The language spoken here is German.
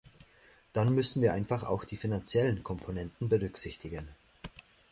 Dann müssen wir einfach auch die finanziellen Komponenten berücksichtigen.